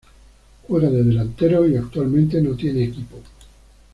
Juega de delantero y actualmente no tiene equipo.